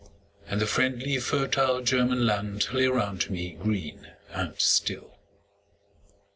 And the friendly fertile German land Lay round me green and still.